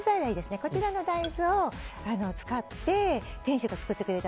こちらの大豆を使った豆腐を店主が作ってくれた。